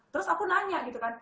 terus aku nanya gitu kan